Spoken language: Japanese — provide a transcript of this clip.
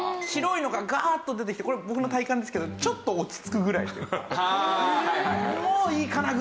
白いのがガーッと出てきてこれ僕の体感ですけどちょっと落ち着くぐらいというか。